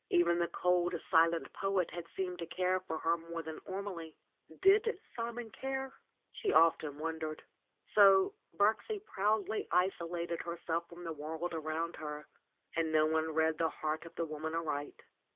Even the cold, silent poet had seemed to care more for her than Ormelie. Did Simon care ? She often wondered. So Birksie proudly isolated herself from the world around her and no one read the heart of the woman aright.